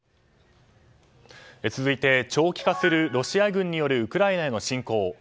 続いて長期化するロシア軍によるウクライナへの侵攻。